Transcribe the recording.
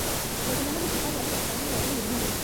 د کندهار د شیخانو وادي د پخوانیو باغونو نمونې لري